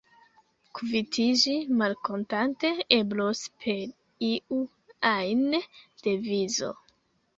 Kvitiĝi malkontante eblos per iu ajn devizo.